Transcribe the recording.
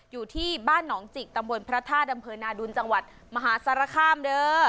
อยู่ที่บ้านหนองจิกตำบลพระธาตุอำเภอนาดุลจังหวัดมหาสารคามเด้อ